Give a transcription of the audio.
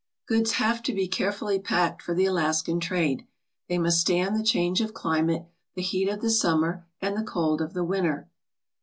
Goods have to be carefully packed for the Alaskan trade. They must stand the changes of climate, the heat of the summer, and the cold of the winter.